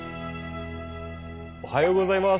おはようございます。